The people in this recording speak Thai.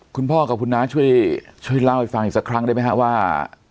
คุณพ่อกับคุณน้าช่วยเล่าให้ฟังอีกสักครั้งได้ไหมฮะว่า